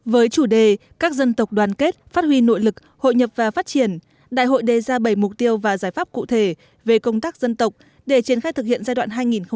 với chủ đề các dân tộc đoàn kết phát huy nội lực hội nhập và phát triển đại hội đề ra bảy mục tiêu và giải pháp cụ thể về công tác dân tộc để triển khai thực hiện giai đoạn hai nghìn một mươi một hai nghìn ba mươi